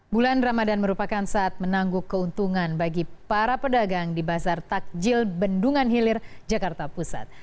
bulan ramadan merupakan saat menangguk keuntungan bagi para pedagang di bazar takjil bendungan hilir jakarta pusat